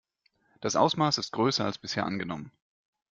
Das Ausmaß ist größer als bisher angenommen.